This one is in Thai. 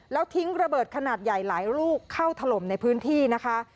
แล้วทิ้งระเบิดขนาดใหญ่หลายลูกเข้าถล่มในพื้นที่นะคะ